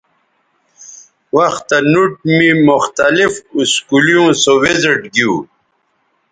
وختہ نوٹ می مختلف اسکولیوں سو وزٹ گیو